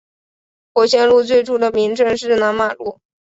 伯先路最初的名称是南马路。